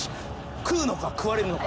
食うのか食われるのか。